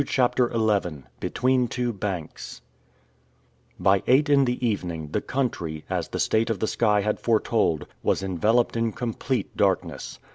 CHAPTER XI BETWEEN TWO BANKS BY eight in the evening, the country, as the state of the sky had foretold, was enveloped in complete darkness.